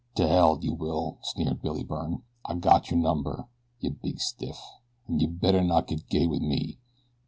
"T'ell yeh will!" sneered Billy Byrne. "I got your number, yeh big stiff; an' yeh better not get gay wit me.